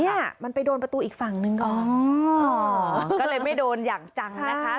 เนี่ยมันไปโดนประตูอีกฝั่งหนึ่งอ๋อก็เลยไม่โดนอย่างจังนะคะ